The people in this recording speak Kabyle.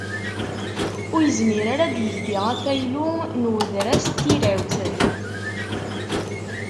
Ur yezmir ara ad d-yeldi afaylu n udras n tirawt.